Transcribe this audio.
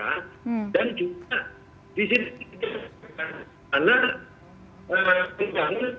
dan juga disini kita berpikirkan karena kebangunan ras